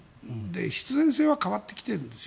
必然性は変わってきてるんです。